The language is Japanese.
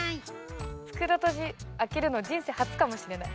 袋とじ開けるの人生初かもしれない。